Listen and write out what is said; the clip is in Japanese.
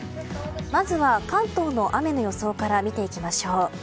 まずは関東の雨の予想から見ていきましょう。